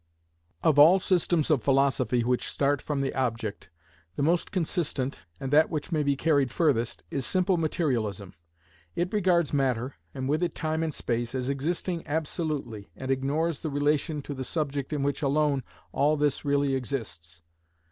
Of all systems of philosophy which start from the object, the most consistent, and that which may be carried furthest, is simple materialism. It regards matter, and with it time and space, as existing absolutely, and ignores the relation to the subject in which alone all this really exists.